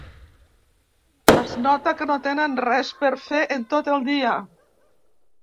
Es nota que no tenen res per fer en tot el dia.